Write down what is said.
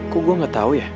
kok gue gak tahu ya